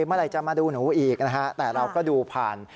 เมื่อไหร่จะมาดูหนูอีกนะฮะแต่เราก็ดูผ่าน